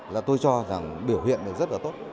là tôi cho rằng biểu hiện này rất là tốt